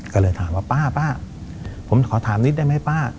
ก็เลยถามว่าป้าผมขอถามนิดได้ไหมป้า